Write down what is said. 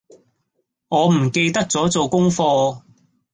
我唔記得咗做功課